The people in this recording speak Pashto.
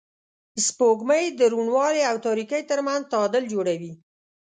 سپوږمۍ د روڼوالي او تاریکۍ تر منځ تعادل جوړوي